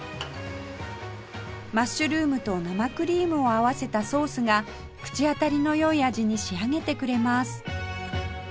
マッシュルームと生クリームを合わせたソースが口当たりの良い味に仕上げてくれます